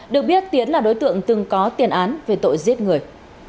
được biết tiến là đối tượng từng có tiền án về tội giết người